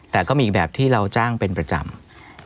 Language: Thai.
แต่ก็มีอีกแบบที่เราจ้างเป็นประจำ